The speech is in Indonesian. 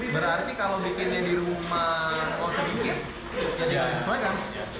berarti kalau dibikin di rumah oh sedikit ya tidak sesuai kan